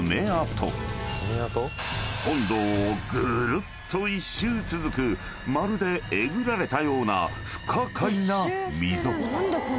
［本堂をぐるっと１周続くまるでえぐられたような不可解な溝］